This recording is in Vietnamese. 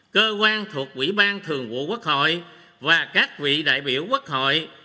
cơ quan thuộc quỹ ban thường vụ quốc hội và các vị đại biểu quốc hội